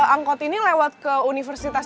angkot ini lewat ke universitas